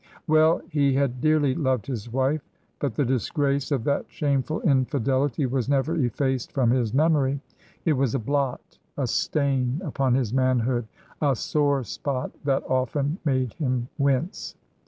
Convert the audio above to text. Well, he had dearly loved his wife; but the disgrace of that shameful infidelity was never effaced from his memory. It was a blot, a stain upon his manhood, a sore spot, that often made him wince.